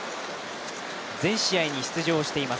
全試合に出場しています。